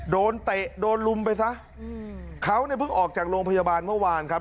เตะโดนลุมไปซะอืมเขาเนี่ยเพิ่งออกจากโรงพยาบาลเมื่อวานครับ